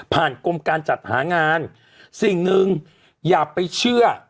กรมการจัดหางานสิ่งหนึ่งอย่าไปเชื่อ